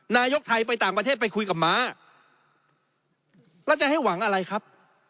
นายกไทยไปต่างประเทศไปคุยกับม้าแล้วจะให้หวังอะไรครับ